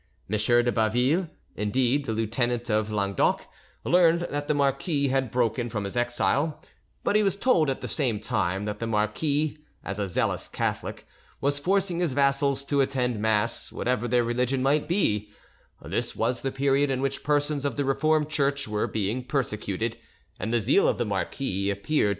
M. de Baville, indeed, the Lieutenant of Languedoc, learned that the marquis had broken from his exile; but he was told, at the same time, that the marquis, as a zealous Catholic, was forcing his vassals to attend mass, whatever their religion might be: this was the period in which persons of the Reformed Church were being persecuted, and the zeal of the marquis appeared to M.